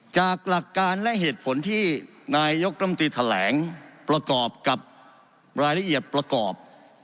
หลักการและเหตุผลที่นายกรมตรีแถลงประกอบกับรายละเอียดประกอบ